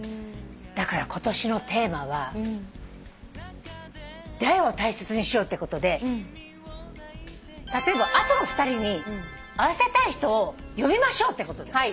だから今年のテーマは出会いを大切にしようってことで例えばあとの２人に会わせたい人を呼びましょうって。